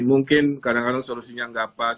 mungkin kadang kadang solusinya nggak pas